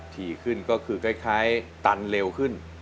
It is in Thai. ทีขึ้นก็คือคล้ายตันเร็วขึ้น